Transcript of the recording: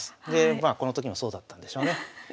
まあこのときもそうだったんでしょうね。